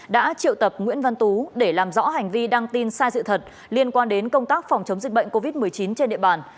đã triệu tập nguyễn văn tú để làm rõ hành vi đăng tin sai sự thật liên quan đến công tác phòng chống dịch bệnh covid một mươi chín trên địa bàn